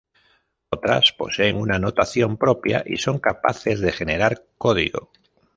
Otras poseen una notación propia y son capaces de generar código.